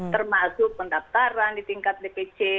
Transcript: termasuk pendaftaran di tingkat dpc